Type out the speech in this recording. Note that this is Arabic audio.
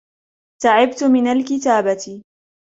.تعبت من الكتابة